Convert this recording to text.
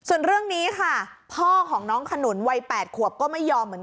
ส่วนเรื่องนี้ค่ะพ่อของน้องขนุ่น